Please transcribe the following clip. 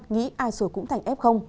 nghĩ ai sửa cũng thành f